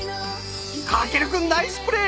翔くんナイスプレー！